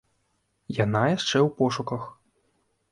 Яна яшчэ ў пошуках.